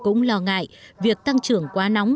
cũng lo ngại việc tăng trưởng quá nóng